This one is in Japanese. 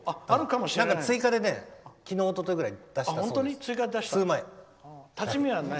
追加でね、昨日おとといぐらい出したそうです、数枚。